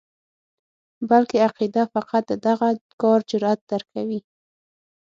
بلکې عقیده فقط د دغه کار جرأت درکوي.